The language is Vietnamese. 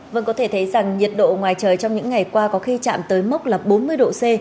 vâng có thể thấy rằng nhiệt độ ngoài trời trong những ngày qua có khi chạm tới mốc là bốn mươi độ c